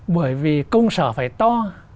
bởi vì công sở phải to